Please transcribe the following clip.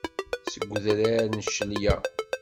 Seg udrar n ccelya.